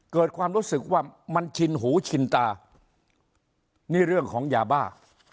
เกิดความรู้สึกว่ามันชินหูชินตานี่เรื่องของยาบ้า